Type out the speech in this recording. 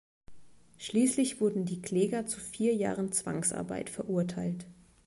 Schließlich wurden die Kläger zu vier Jahren Zwangsarbeit verurteilt.